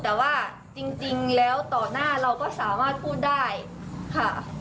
แต่ว่าจริงแล้วต่อหน้าเราก็สามารถพูดได้ค่ะ